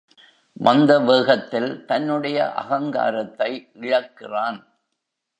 வந்த வேகத்தில் தன்னுடைய அகங்காரத்தை இழக்கிறான்.